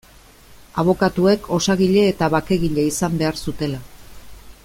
Abokatuek osagile eta bakegile izan behar zutela.